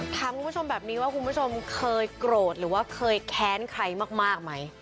ถามคุณผู้ชมแบบนี้ว่าคุณผู้ชมเคยโกรธหรือว่าเคยแค้นใครมากไหม